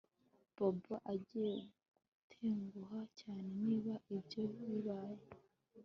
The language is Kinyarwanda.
Bobo agiye gutenguha cyane niba ibyo bibaye